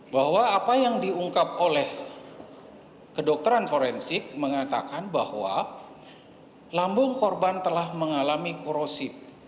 bahwa apa yang diungkap oleh kedokteran forensik mengatakan bahwa lambung korban telah mengalami korosip